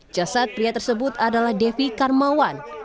jasad pria tersebut adalah devi karmawan